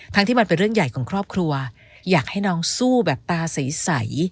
ที่มันเป็นเรื่องใหญ่ของครอบครัวอยากให้น้องสู้แบบตาใส